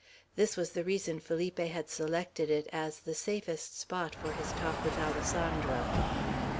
This was the reason Felipe had selected it as the safest spot for his talk with Alessandro.